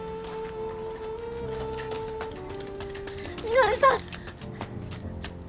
稔さん！